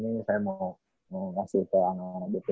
mau kasih ke anak anak gitu yang berpengalaman gitu